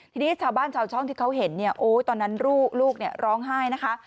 ทีนี้ชาวบ้านชาวช่องที่เขาเห็นเนี่ยโอ้ตอนนั้นลูกร้องไห้นะคะ